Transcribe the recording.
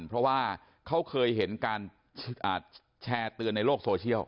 เพราะว่าเขาเคยเห็นการแชร์เตือนในโลกโซเชียล